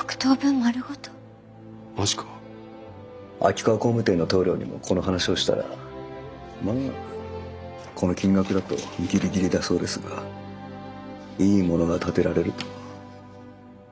秋川工務店の棟梁にもこの話をしたらこの金額だとギリギリだそうですがいいものが建てられると。